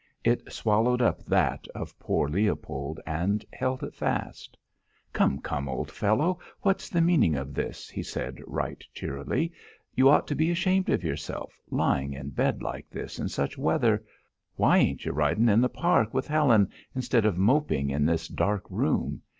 It swallowed up that of poor Leopold, and held it fast. "Come, come, old fellow! What's the meaning of this?" he said right cheerily. "You ought to be ashamed of yourself lying in bed like this in such weather! Why ain't you riding in the park with Helen, instead of moping in this dark room?